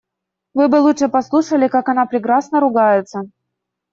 Вы бы лучше послушали, как она прекрасно ругается.